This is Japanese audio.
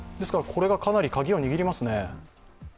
これがかなりカギを握りますね。